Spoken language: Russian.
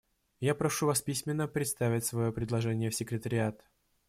Я прошу вас письменно представить свое предложение в секретариат.